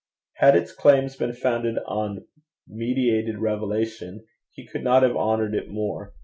Had its claims been founded on mediated revelation, he could not have honoured it more.